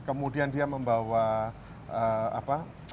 kemudian dia membawa apa